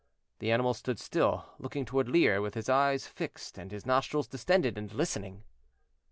The animal stood still, looking toward Lier, with his eyes fixed and his nostrils distended, and listening.